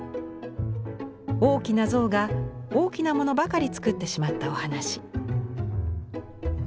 大きな象が大きなものばかり作ってしまったお話。